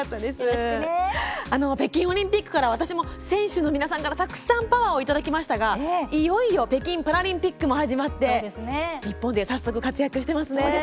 北京オリンピックから私も選手の皆さんからたくさんパワーをいただきましたがいよいよ北京パラリンピックが始まって日本、早速活躍していますね。